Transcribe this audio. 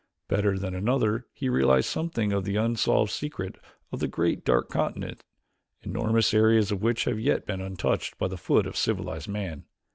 Better than another, he realized something of the unsolved secrets of the Great Dark Continent, enormous areas of which have as yet been untouched by the foot of civilized man.